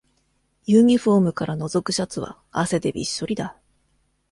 ユニフォームからのぞくシャツは汗でびっしょりだ